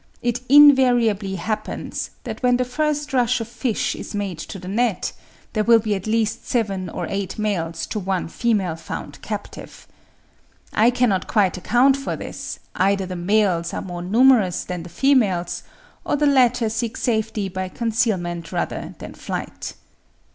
It INVARIABLY happens that when the first rush of fish is made to the net, there will be at least seven or eight males to one female found captive. I cannot quite account for this; either the males are more numerous than the females, or the latter seek safety by concealment rather than flight."